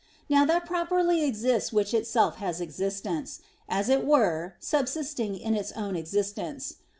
Now that properly exists which itself has existence; as it were, subsisting in its own existence.